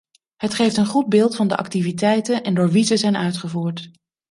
Het geeft een goed beeld van de activiteiten en door wie ze zijn uitgevoerd.